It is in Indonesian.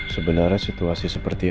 sebenarnya situasi seperti